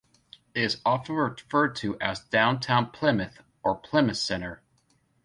It is often referred to as Downtown Plymouth or Plymouth Center.